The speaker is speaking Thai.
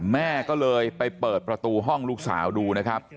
แม่ก็เลยไปเปิดประตูห้องลูกสาวดูนะครับ